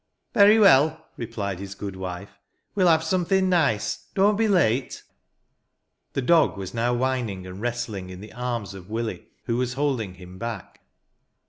"Very well," replied his good wife; we'll have something nice. Don't be late." The dog was now whining and wrestling in the arms of Willie, who was holding him hack.